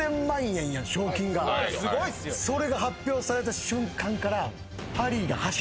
それが発表された瞬間から。